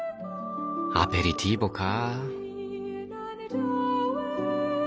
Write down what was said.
「アペリティーボ」か。